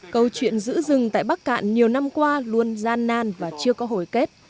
câu chuyện giữ rừng tại bắc cạn nhiều năm qua luôn gian nan và chưa có hồi kết